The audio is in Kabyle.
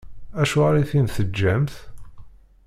Acuɣer i t-in-teǧǧamt?